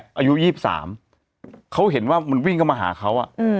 อายุยี่สามเขาเห็นว่ามันวิ่งเข้ามาหาเขาอ่ะอืม